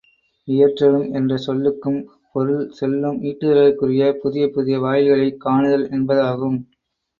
இயற்றலும் என்ற சொல்லுக்கும் பொருள் செல்வம் ஈட்டுதலுக்குரிய புதிய புதிய வாயில்களைக் காணுதல் என்பதாகும்.